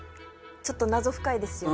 ちょっと謎深いですよね